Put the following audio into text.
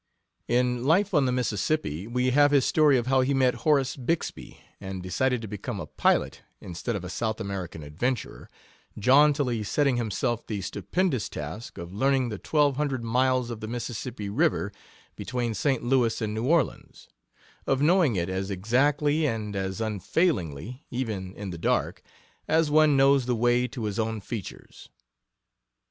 In Life on the Mississippi we have his story of how he met Horace Bixby and decided to become a pilot instead of a South American adventurer jauntily setting himself the stupendous task of learning the twelve hundred miles of the Mississippi River between St. Louis and New Orleans of knowing it as exactly and as unfailingly, even in the dark, as one knows the way to his own features.